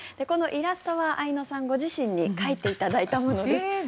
このイラストは愛乃さんご自身に描いていただいたものです。